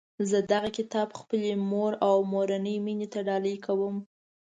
زه دغه کتاب خپلي مور او مورنۍ میني ته ډالۍ کوم